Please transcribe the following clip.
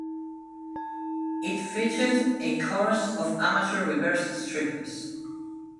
It featured a chorus of amateur reverse strippers.